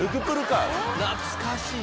懐かしい。